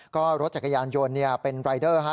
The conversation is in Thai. ก็รถจักรยานยนต์เป็นรายเดอร์ฮะ